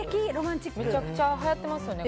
めちゃくちゃはやってますよね。